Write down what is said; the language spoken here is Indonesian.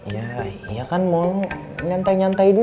ya ya kan mau nyantai nyantai dulu